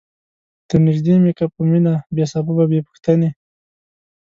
درنیژدې می که په مینه بې سببه بې پوښتنی